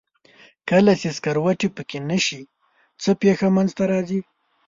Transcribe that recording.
کله چې سکروټې پکه نه شي څه پېښه منځ ته راځي؟